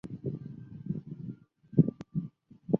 阿正把杯面设计成一个令人想拥抱的可爱外观。